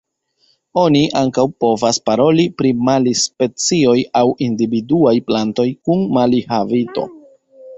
Oni ankaŭ povas paroli pri mali-specioj aŭ individuaj plantoj kun mali-habito.